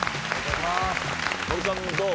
森さんどう？